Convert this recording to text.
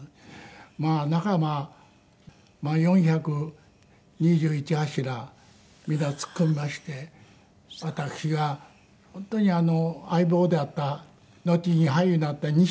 まあ仲間４２１柱皆突っ込みまして私が本当に相棒であったのちに俳優になった西村晃。